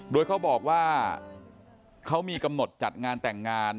โดยเขาบอกว่าเขามีกำหนดจัดงานแต่งงาน